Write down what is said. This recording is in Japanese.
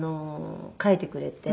書いてくれて。